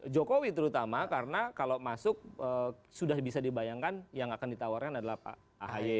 jokowi terutama karena kalau masuk sudah bisa dibayangkan yang akan ditawarkan adalah pak ahy